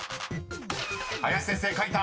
［林先生書いた。